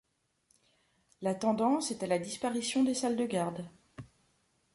La tendance est à la disparition des salles de garde.